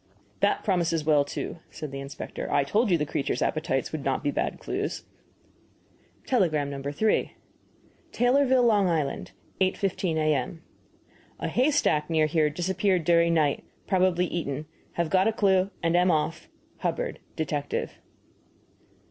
"That promises well, too," said the inspector. "I told you the creature's appetites would not be bad clues." Telegram No. 3: TAYLORVILLE, L. I. 8.15 A.M. A haystack near here disappeared during night. Probably eaten. Have got a clue, and am off. HUBBARD, Detective.